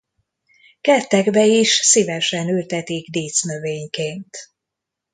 Kertekbe is szívesen ültetik dísznövényként.